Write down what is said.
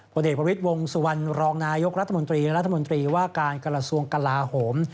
ประเด็นประวิติวงศ์สุวรรณรองนายกรัฐมนตรีและรัฐมนตรีว่าการกรสวงศ์กระลาโหม